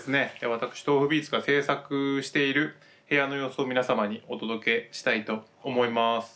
私ｔｏｆｕｂｅａｔｓが制作している部屋の様子を皆様にお届けしたいと思います。